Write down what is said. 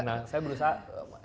nah saya berusaha